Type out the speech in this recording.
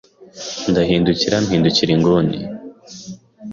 ndahindukira mpindukira inguni